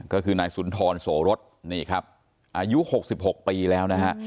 ก็คือนายสุนทรโสรสนี่ครับอายุ๖๖ปีแล้วนะฮะ